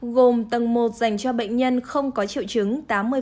gồm tầng một dành cho bệnh nhân không có triệu chứng tám mươi